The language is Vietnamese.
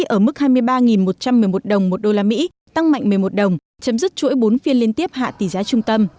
ở mức hai mươi ba một trăm một mươi một đồng một đô la mỹ tăng mạnh một mươi một đồng chấm dứt chuỗi bốn phiên liên tiếp hạ tỷ giá trung tâm